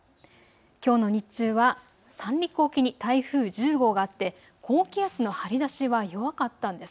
きょうの日中は、三陸沖に台風１０号があって高気圧の張り出しは弱かったんです。